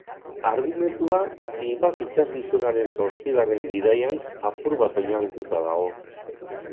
Argumentua Sinbad itsasgizonaren zortzigarren bidaian apur bat oinarritua dago.